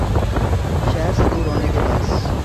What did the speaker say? شہر سے دور ہونے کے باعث